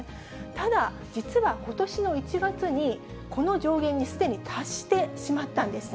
ただ、実はことしの１月にこの上限にすでに達してしまったんです。